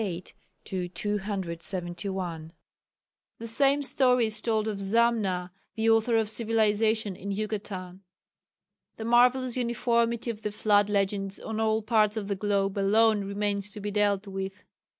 The same story is told of Zamna, the author of civilization in Yucatan. The marvellous uniformity of the flood legends on all parts of the globe, alone remains to be dealt with.